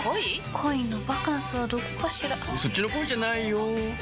恋のバカンスはどこかしらそっちの恋じゃないよ